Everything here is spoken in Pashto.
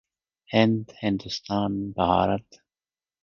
هند، هندوستان، بهارت.